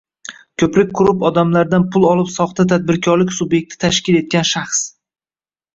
ko‘prik qurib odamlardan pul olib soxta tadbirkorlik sub’ekti tashkil qilgan shaxs